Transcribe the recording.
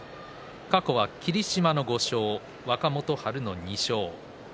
過去は霧島の５勝若元春の２勝。